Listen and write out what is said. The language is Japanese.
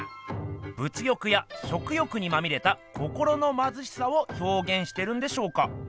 物欲や食欲にまみれた心のまずしさをひょうげんしてるんでしょうか？